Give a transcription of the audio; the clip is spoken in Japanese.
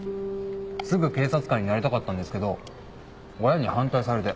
すぐ警察官になりたかったんですけど親に反対されて。